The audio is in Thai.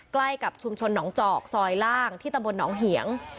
ใกล้กับชุมชนหนองจอกซอยล่างที่ตำบลหนองเหียง